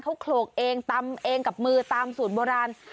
เขาโขลกเองตำเองกับมือตามสูตรโบราณ